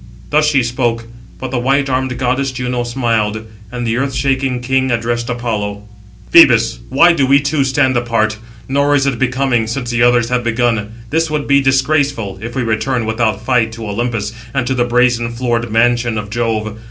Thus she spoke; but the white armed goddess Juno smiled. And the earth shaking king addressed Apollo: "Phoebus, why do we two stand apart? Nor is it becoming, since the others have begun. This would be disgraceful, if we return without fight to Olympus, and to the brazen floored mansion of Jove.